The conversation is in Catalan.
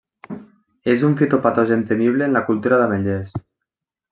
És un fitopatogen temible en la cultura d'ametllers.